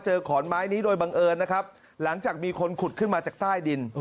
ขอนไม้นี้โดยบังเอิญนะครับหลังจากมีคนขุดขึ้นมาจากใต้ดิน